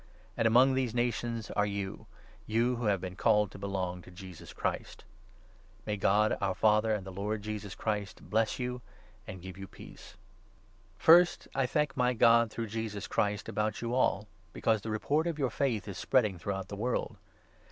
And among these nations are you — you who have been called to belong to Jesus Christ. May God, our Father, and the Lord Jesus Christ bless you and give you peace. The Apostle's First, I thank my God through Jesus Christ 8 Thankfulness about you all, because the report of your faith is and Hope, spreading throughout the world.